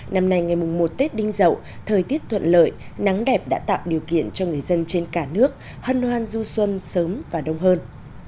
năm nay ngày mùng một tết đinh dậu thời tiết thuận lợi nắng đẹp đã tạo điều kiện cho người dân trên cả nước hân hoan du xuân sớm và đông hơn